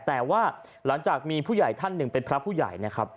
แต่ว่าหลังจากมีผู้ใหญ่ท่านหนึ่งเป็นพระผู้ใหญ่นะครับ